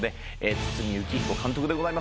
堤幸彦監督でございます。